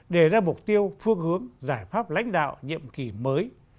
đề ra mục tiêu phương hướng giải pháp lãnh đạo nhiệm kỳ mới